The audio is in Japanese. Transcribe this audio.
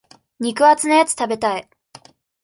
肉厚なやつ食べたい。